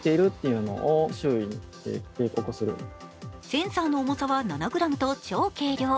センサーの重さは７ｇと超軽量。